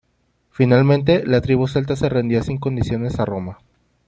Finalmente, la tribu celta se rendía sin condiciones a Roma.